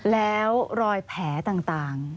แล้วรอยแผลต่าง